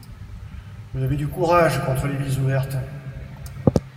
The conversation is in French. Vous avez du courage contre les villes ouvertes.